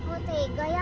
oh tega ya